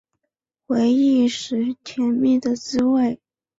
回忆时甜蜜的滋味